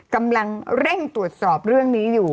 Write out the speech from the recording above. กำลังเร่งตรวจสอบเรื่องนี้อยู่